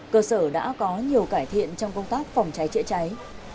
cơ sở đã có nhiều cải thiện trong công tác phòng cháy chữa cháy